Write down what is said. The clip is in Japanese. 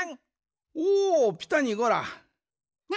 おおピタにゴラ。